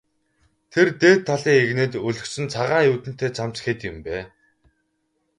Тэр дээд талын эгнээнд өлгөсөн цагаан юүдэнтэй цамц хэд юм бэ?